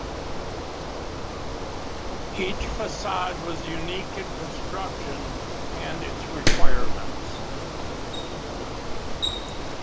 Each facade was unique in construction and its requirements.